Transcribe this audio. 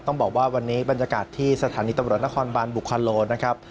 ต้องบอกว่าวันนี้บรรยากาศที่สถานีตำรวจนครบานบุคโลนะครับ